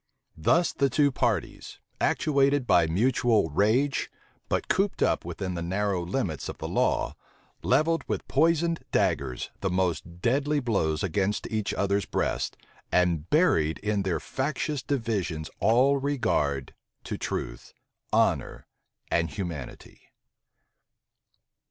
Thus the two parties, actuated by mutual rage, but cooped up within the narrow limits of the law, levelled with poisoned daggers the most deadly blows against each other's breast, and buried in their factious divisions all regard to truth, honor and humanity.